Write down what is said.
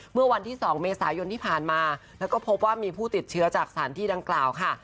เมื่อวันที่๒เมษายนที่ผ่านมาแล้วก็พบว่ามีผู้ติดเชื้อจากสถานที่ดังกล่าวค่ะ